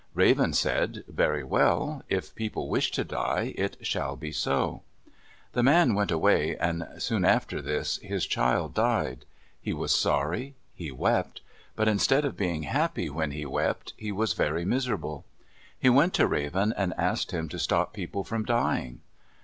Raven said, "Very well. If people wish to die, it shall be so." The man went away and soon after his child died. He was sorry. He wept; but instead of being happy when he wept, he was very miserable. He went to Raven and asked him to stop people from dying.